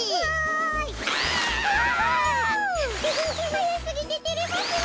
はやすぎててれますねえ！